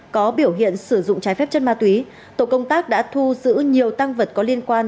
có biểu hiện sử dụng trái phép chất ma túy tổ công tác đã thu giữ nhiều tăng vật có liên quan